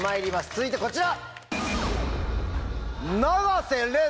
続いてこちら。